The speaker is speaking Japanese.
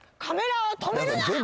カメラを止めるな！